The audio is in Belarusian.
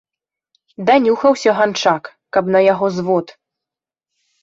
Данюхаўся ганчак, каб на яго звод!